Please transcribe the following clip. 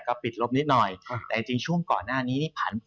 ก็ปิดลบนิดหน่อยแต่จริงช่วงก่อนหน้านี้นี่ผ่านไป